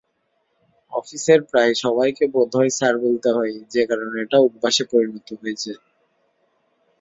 অফিসের প্রায় সবাইকে বোধহয় স্যার বলতে হয়, যে-কারণে এটা অভ্যাসে পরিণত হয়েছে।